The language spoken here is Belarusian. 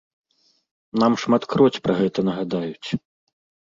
Нам шматкроць пра гэтае нагадаюць.